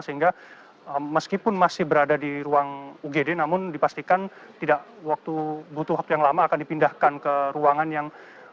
sehingga meskipun masih berada di ruang ugd namun dipastikan tidak butuh waktu yang lama akan dipindahkan ke ruangan yang